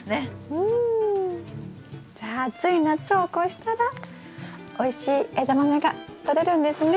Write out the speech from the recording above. うん！じゃあ暑い夏を越したらおいしいエダマメがとれるんですね。